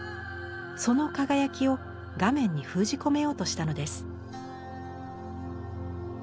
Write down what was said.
その輝きを画面に封じ込めようとしたのです。